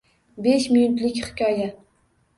Besh minutlik hikoya